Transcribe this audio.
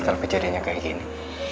kalau kejadiannya kayak gini